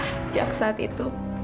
sejak saat itu